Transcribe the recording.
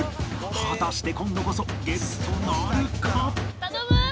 果たして今度こそゲットなるか？